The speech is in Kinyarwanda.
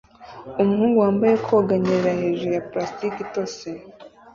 Umuhungu wambaye koga anyerera hejuru ya plastiki itose